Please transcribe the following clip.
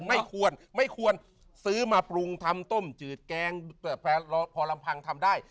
ไม่ควรไม่ควรซื้อมาปรุงทำต้มจืดแกงพอลำพังทำได้